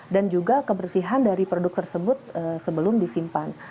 dan juga kebersihan dari produk tersebut sebelum disimpan